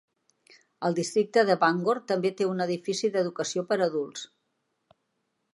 El districte de Bangor també té un edifici d'Educació per a adults.